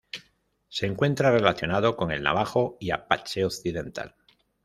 Se encuentra relacionado con el Navajo y Apache occidental.